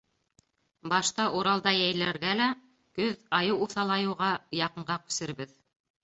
Башта Уралда йәйләргә лә, көҙ, айыу уҫалайыуға, яҡынға күсербеҙ.